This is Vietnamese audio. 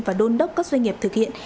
và đôn đốc các doanh nghiệp thực hiện